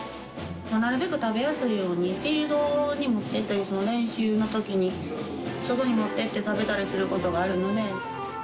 なるべく食べやすいように、フィールドに持って行ったり、その練習のときに外に持ってって食べたりすることがあるので。